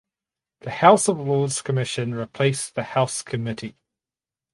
The House of Lords Commission replaced the House Committee.